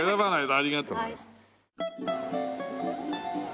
ありがとうございます。